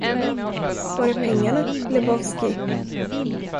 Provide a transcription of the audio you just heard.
Var är pengarna, Lebowski?